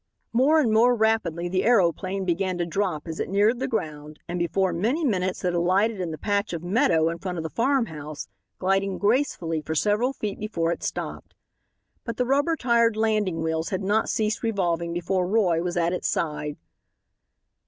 More and more rapidly the aeroplane began to drop as it neared the ground, and before many minutes it alighted in the patch of meadow in front of the farm house, gliding gracefully for several feet before it stopped. But the rubber tired landing wheels had not ceased revolving before Roy was at its side.